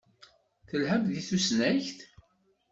Telhamt deg tusnakt?